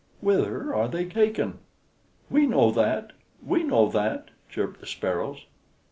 Whither are they taken?" "We know that! We know that!" chirped the Sparrows.